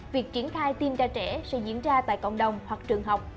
việc triển khai tiêm cho trẻ sẽ diễn ra tại cộng đồng hoặc trường học